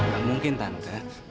gak mungkin tante